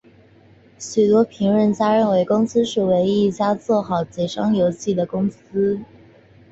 许多评论家认为公司是唯一一家做好章节游戏的公司。